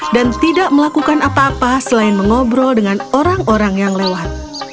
dan tidak melakukan apa apa selain mengobrol dengan orang orang yang lewat